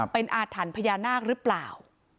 เป็นอาถรรพ์พญานาคหรือเปล่า